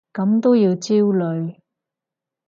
咁都要焦慮？